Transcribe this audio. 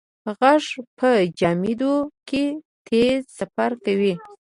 غږ په جامدو کې تېز سفر کوي.